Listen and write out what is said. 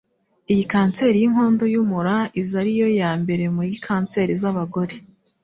Iyi kanseri y'inkondo y'umura iza ari yo ya mbere muri kanseri z'abagore